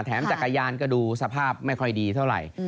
จักรยานก็ดูสภาพไม่ค่อยดีเท่าไหร่